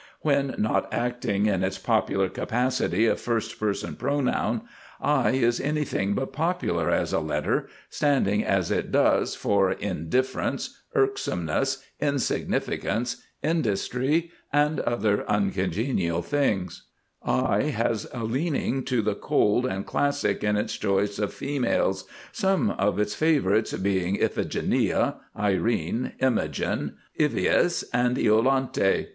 When not acting in its popular capacity of First Personal Pronoun, I is anything but popular as a letter, standing as it does for Indifference, Irksomeness, Insignificance, Industry, and other uncongenial things. I has a leaning to the cold and classic in its choice of females, some of its favorites being, Iphigenia, Irene, Imogen, Ivias, and Iolanthe.